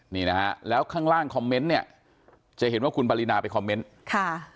นี่นะฮะแล้วข้างล่างคอมเมนต์เนี่ยจะเห็นว่าคุณปรินาไปคอมเมนต์ค่ะ